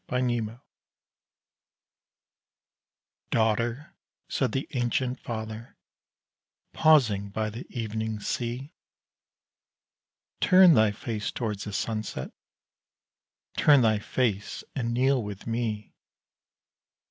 Hy Brasil "Daughter," said the ancient father, pausing by the evening sea, "Turn thy face towards the sunset turn thy face and kneel with me!